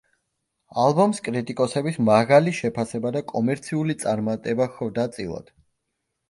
ალბომს კრიტიკოსების მაღალი შეფასება და კომერციული წარმატება ხვდა წილად.